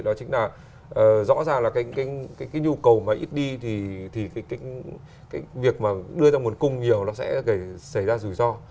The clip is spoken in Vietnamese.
đó chính là rõ ràng là cái nhu cầu mà ít đi thì cái việc mà đưa ra nguồn cung nhiều nó sẽ gây xảy ra rủi ro